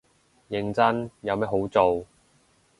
認真，有咩好做